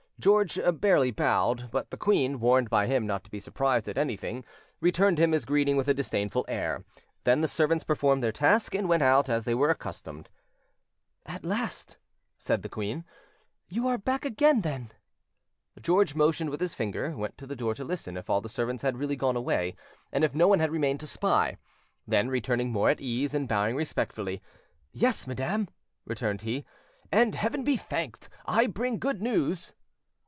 George barely bowed; but the queen, warned by him not to be surprised at anything, returned him his greeting with a disdainful air; then the servants performed their task and went out, as they were accustomed. "At last," said the queen, "you are back again, then." George motioned with his finger, went to the door to listen if all the servants had really gone away, and if no one had remained to spy. Then, returning more at ease, and bowing respectfully— "Yes, madam," returned he; "and, Heaven be thanked, I bring good news."